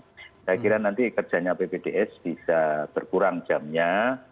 saya kira nanti kerjanya ppds bisa berkurang jamnya